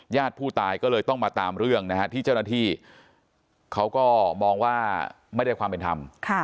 ญาติผู้ตายก็เลยต้องมาตามเรื่องนะฮะที่เจ้าหน้าที่เขาก็มองว่าไม่ได้ความเป็นธรรม